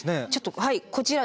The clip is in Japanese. はいこちら。